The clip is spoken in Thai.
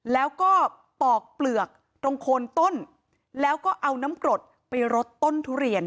แล้วก็ปอกเปลือกตรงโคนต้นแล้วก็เอาน้ำกรดไปรดต้นทุเรียน